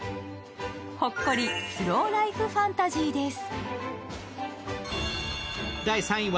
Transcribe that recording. ほっこりスローライフファンタジーです。